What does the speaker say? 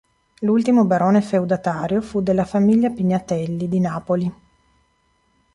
L'ultimo barone feudatario fu della famiglia Pignatelli di Napoli.